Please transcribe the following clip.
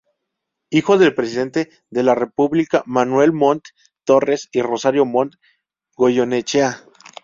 Hijo del presidente de la República Manuel Montt Torres y Rosario Montt Goyenechea.